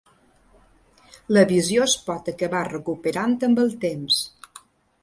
La visió es pot acabar recuperant amb el temps.